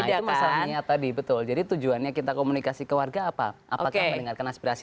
nah itu pasal niat tadi betul jadi tujuannya kita komunikasi ke warga apa apakah mendengarkan aspirasi